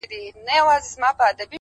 له څو خوښيو او دردو راهيسي؛